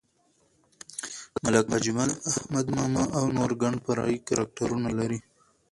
ملک اجمل، احمد ماما او نور ګڼ فرعي کرکټرونه لري.